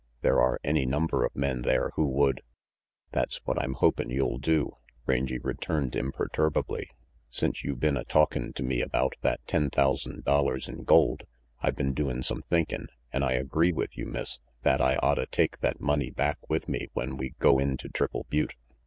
"There are any number of men there who would "That's what I'm hopin' you'll do," Rangy returned imperturbably, " since you been a talkin' to me about that ten thousand dollars in gold, I been doin' some thinkin', an' I agree with you, Miss, that I'd otta take that money back with me when we go in to Triple Butte.